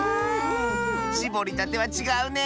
しぼりたてはちがうね。